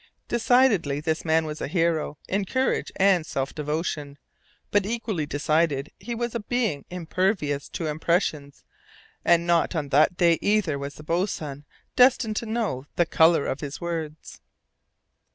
Decidedly, this man was a hero in courage and self devotion; but equally decidedly he was a being impervious to impressions, and not on that day either was the boatswain destined to know "the colour of his words!"